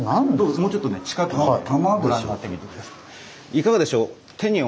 もうちょっとね近くでご覧になってみて下さい。